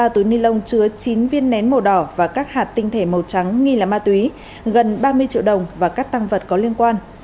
ba túi ni lông chứa chín viên nén màu đỏ và các hạt tinh thể màu trắng nghi là ma túy gần ba mươi triệu đồng và các tăng vật có liên quan